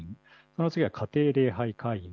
その次が家庭礼拝会員。